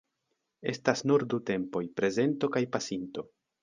Estas nur du tempoj: prezento kaj pasinto.